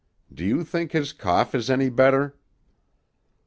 Do you think his cough is any better?"